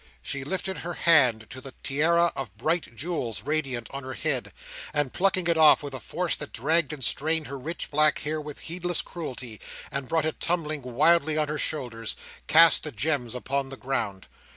She lifted her hand to the tiara of bright jewels radiant on her head, and, plucking it off with a force that dragged and strained her rich black hair with heedless cruelty, and brought it tumbling wildly on her shoulders, cast the gems upon the ground.